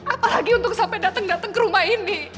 apalagi untuk sampai dateng dateng ke rumah ini